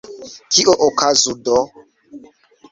Kio okazu do?